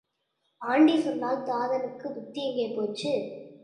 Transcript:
Aunty சொன்னால் தாதனுக்குப் புத்தி எங்கே போச்சு?